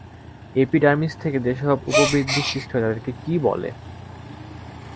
Epidermis থেকে যেসব উপবৃদ্ধি সৃষ্টি হয় তাদের কী বলে?